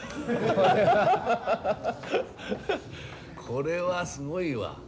これはすごいわ。